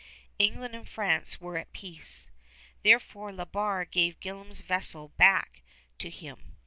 England and France were at peace. Therefore La Barre gave Gillam's vessel back to him.